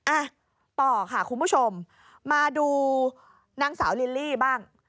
อ่ะต่อค่ะคุณผู้ชมมาดูนางสาวลิลลี่บ้าง